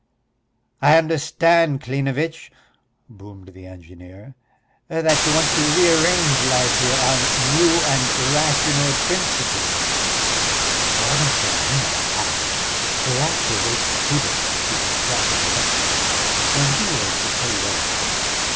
"I understand, Klinevitch," boomed the engineer, "that you want to rearrange life here on new and rational principles." "Oh, I don't care a hang about that! For that we'll wait for Kudeyarov who was brought here yesterday. When he wakes he'll tell you all about it.